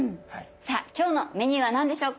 さあ今日のメニューは何でしょうか？